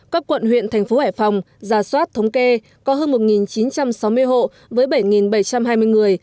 các quận huyện thành phố hải phòng giả soát thống kê có hơn một chín trăm sáu mươi hộ với bảy bảy trăm hai mươi người